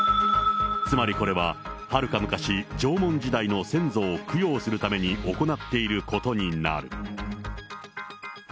つまりこれは、はるか昔、縄文時代の先祖を供養するために行っていることになる。